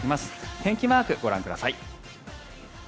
天気マーク、ご覧ください。